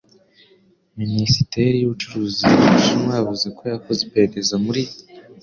Minisiteri y'ubucuruzi mu Bushinwa yavuze ko yakoze iperereza muri